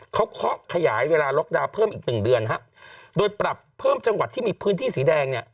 เขาขยายเวลาล็อกดาเพิ่มอีก๑เดือนโดยปรับเพิ่มจังหวัดที่มีพื้นที่สีแดง